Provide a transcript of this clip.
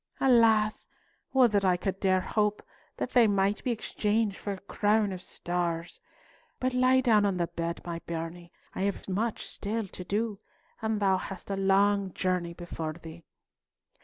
Alas! would that I could dare to hope they might be exchanged for a crown of stars! But lie down on the bed, my bairnie. I have much still to do, and thou hast a long journey before thee."